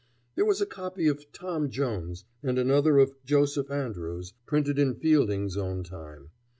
There was a copy of "Tom Jones," and another of "Joseph Andrews," printed in Fielding's own time.